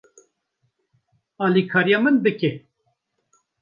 Alîkariya min bike.